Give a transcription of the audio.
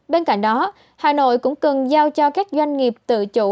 bên cạnh đó hà nội cũng cần giao cho các doanh nghiệp tự chủ